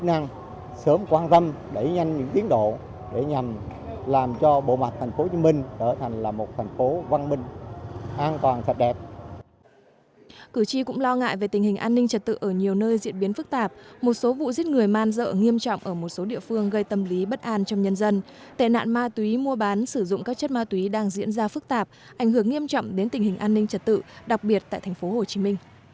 tuy nhiên cử tri vẫn lo lắng về tình hình an ninh trật tự ở nhiều nơi diễn biến phức tạp một số vụ giết người man dợ nghiêm trọng ở một số địa phương gây tâm lý bất an trong nhân dân tệ nạn ma túy mua bán sử dụng các chất ma túy đang diễn ra phức tạp ảnh hưởng nghiêm trọng đến tình hình an ninh trật tự đặc biệt tại tp hcm